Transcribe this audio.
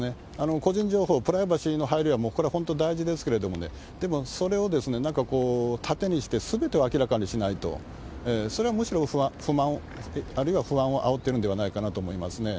個人情報、プライバシーの配慮は、もうこれ本当に大事ですけれどもね、でも、それをなんかこう、盾にしてすべてを明らかにしないと、それはむしろ不満、あるいは不安をあおってるんではないかと思いますね。